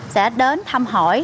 sẽ đến thăm hỏi